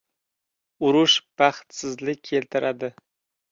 • Urush baxtsizlik keltiradi.